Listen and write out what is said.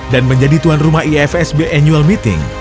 dan menjadi tuan rumah ifsb annual meeting